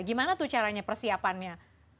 gimana tuh caranya persiapannya